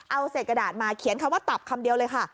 เอาเศษกระดาษมาเขียนคำว่าตับคำเดียวเลยค่ะ